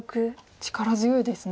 力強いですね。